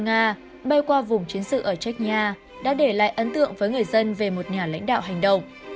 nga bay qua vùng chiến sự ở chekyya đã để lại ấn tượng với người dân về một nhà lãnh đạo hành động